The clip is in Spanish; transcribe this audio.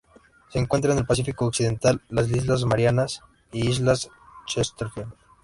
Se encuentra en el Pacífico occidental: las Islas Marianas y Islas Chesterfield.